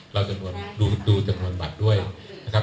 จำนวนดูจำนวนบัตรด้วยนะครับ